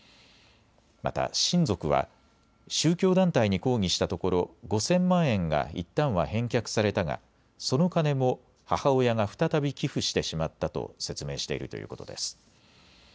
また親族は宗教団体に抗議したところ５０００万円がいったんは返却されたがその金も母親が再び寄付してしまったと説明しているということです。